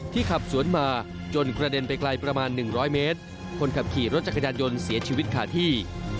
ขับสวนมาจนกระเด็นไปไกลประมาณ๑๐๐เมตรคนขับขี่รถจักรยานยนต์เสียชีวิตขาดที่